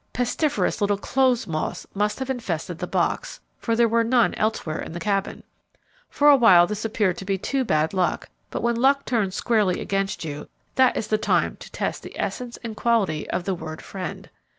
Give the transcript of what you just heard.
Pestiferous little 'clothes' moths must have infested the box, for there were none elsewhere in the Cabin. For a while this appeared to be too bad luck; but when luck turns squarely against you, that is the time to test the essence and quality of the word 'friend.'